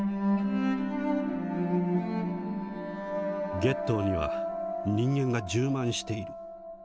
「ゲットーには人間が充満している。